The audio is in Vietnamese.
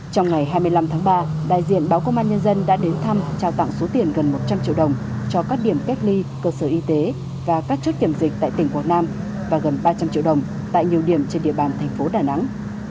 trong ngày hai mươi năm tháng ba đại diện báo công an nhân dân đã đến thăm trao tặng số tiền gần một trăm linh triệu đồng cho các điểm cách ly cơ sở y tế và các chốt kiểm dịch tại tỉnh quảng nam và gần ba trăm linh triệu đồng tại nhiều điểm trên địa bàn thành phố đà nẵng